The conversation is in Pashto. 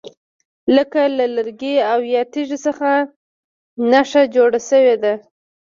لکه له لرګي او یا تیږي څخه نښه جوړه شوې ده.